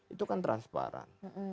itu kan transparan